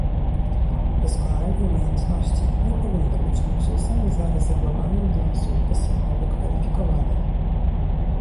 Doskonalenie umiejętności nie powinno być luksusem zarezerwowanym dla osób wysoko wykwalifikowanych